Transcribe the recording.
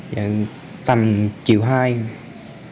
thường ban chứ được nhiêu